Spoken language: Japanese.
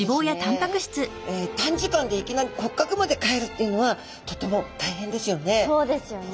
短時間でいきなり骨格まで変えるっていうのはとても大変ですよね。